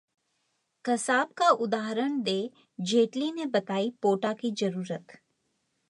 कसाब का उदाहरण दे जेटली ने बताई पोटा की जरूरत